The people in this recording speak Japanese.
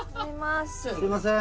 すみません。